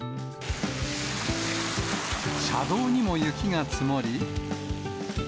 車道にも雪が積もり。